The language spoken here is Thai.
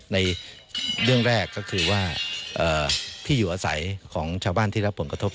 ในเรื่องแรกก็คือว่าที่อยู่อาศัยของชาวบ้านที่รับผลกระทบ